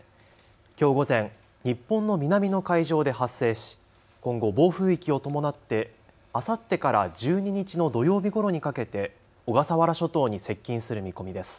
きょう午前、日本の南の海上で発生し今後、暴風域を伴ってあさってから１２日の土曜日ごろにかけて小笠原諸島に接近する見込みです。